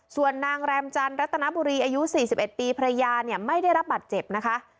ส่วนนางแรมจันรัตนบุรีอายุ๔๑ปีภรรยาเนี่ยไม่ได้รับบัตรเจ็บนะคะ